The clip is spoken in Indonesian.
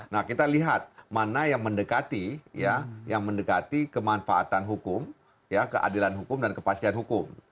nah kita lihat mana yang mendekati kemanfaatan hukum keadilan hukum dan kepastian hukum